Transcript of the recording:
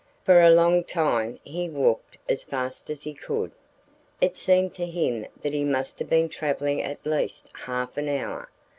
For a long time he walked as fast as he could. It seemed to him that he must have been travelling at least half an hour.